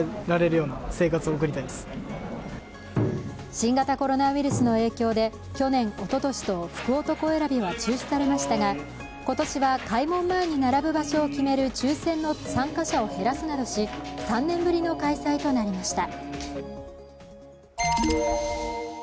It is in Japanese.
新型コロナウイルスの影響で去年、おととしと福男選びは中止されましたが今年は開門前に並ぶ場所を決める抽選の参加者を減らすなどし、３年ぶりの開催となりました。